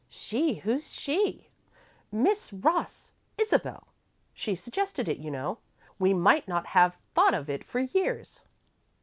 "She? Who's 'she'?" "Miss Ross Isabel. She suggested it, you know. We might not have thought of it for years."